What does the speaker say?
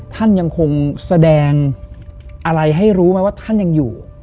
ท่านยังคงแสดงอะไรให้รู้ไหมว่าท่านยังอยู่